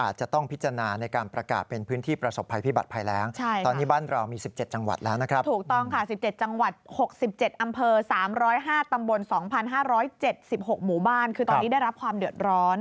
ไหนได้รับความเดือดร้อน